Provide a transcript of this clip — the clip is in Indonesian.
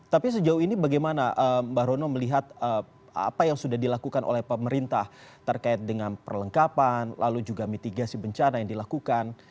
tapi sejauh ini bagaimana mbak rono melihat apa yang sudah dilakukan oleh pemerintah terkait dengan perlengkapan lalu juga mitigasi bencana yang dilakukan